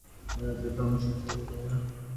তিনি ভেবেছিলেন যে এটি উপজাতিটিকে ধ্বংস করবে।